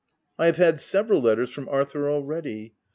I have had several letters from Ar thur, already.